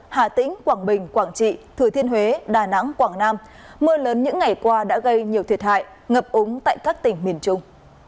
hà tĩnh quảng bình quảng trị thừa thiên huế đà nẵng quảng nam mưa lớn những ngày qua đã gây nhiều thiệt hại ngập úng tại các tỉnh miền trung